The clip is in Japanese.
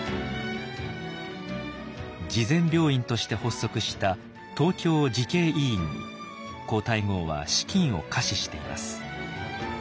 慈善病院として発足した東京慈恵医院に皇太后は資金を下賜しています。